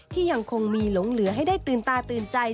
ยังคงมีหลงเหลือให้ได้ตื่นตาตื่นใจ